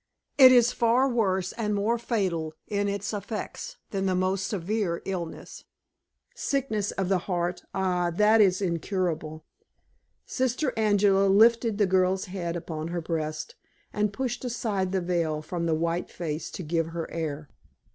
It is far worse and more fatal in its effects than the most severe illness. Sickness of the heart ah, that is incurable!" Sister Angela lifted the girl's head upon her breast, and pushed aside the veil from the white face to give her air.